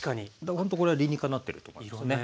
ほんとこれ理にかなってると思いますね。